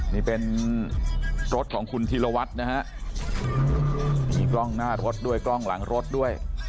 นี่เป็นรถของคุณธีรวัตรนะฮะมีกล้องหน้ารถด้วยกล้องหลังรถด้วย